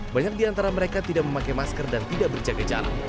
banyak di antara mereka tidak memakai masker dan tidak berjaga jalan